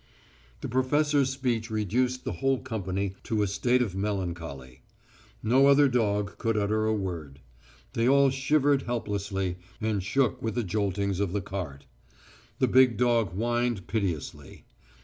The professor's speech reduced the whole company to a state of melancholy. No other dog could utter a word. They all shivered helplessly, and shook with the joltings of the cart. The big dog whined piteously.